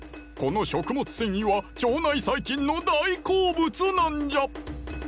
この食物繊維は腸内細菌の大好物なんじゃ。